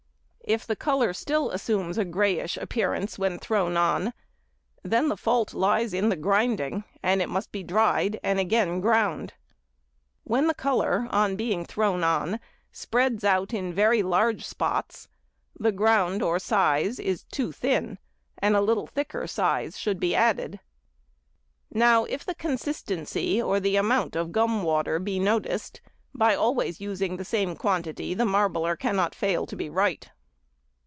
If the colour still assumes a greyish appearance when thrown on, then the fault lies in the grinding, and it must be dried and again ground. When the colour, on being thrown on, spreads out in very large spots, the ground or size is too thin and a little thicker size should be added. Now, if the consistency or the amount of gum water be noticed, by always using the same quantity the marbler cannot fail to be right.